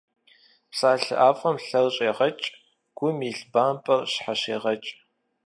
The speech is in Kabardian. Псалъэ ӏэфӏым лъэр щӏегъэкӏ, гум илъ бампӏэр щхьэщегъэкӏ.